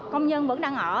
công nhân vẫn đang ở